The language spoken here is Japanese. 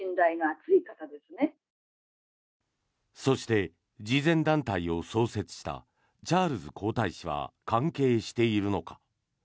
そして、慈善団体を創設したチャールズ皇太子は関係しているのか。